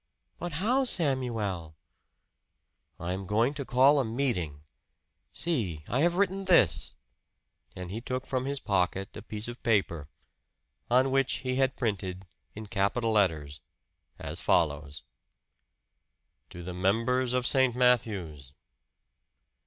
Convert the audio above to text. "But how, Samuel?" "I am going to call a meeting. See, I have written this." And he took from his pocket a piece of paper, on which he had printed, in capital letters, as follows: TO THE MEMBERS OF ST. MATTHEWS!